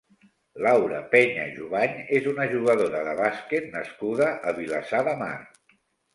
Laura Peña Jubany és una jugadora de bàsquet nascuda a Vilassar de Mar.